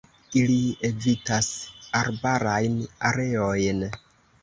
Ili evitas arbarajn areojn.